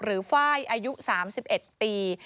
ลิฟ่ายอายุ๓๑ปี